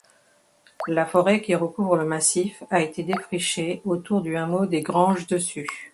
La forêt qui recouvre le massif a été défrichée autour du hameau des Granges-Dessus.